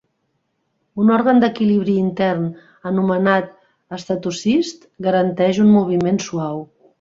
Un òrgan d'equilibri intern anomenat "estatocist" garanteix un moviment suau.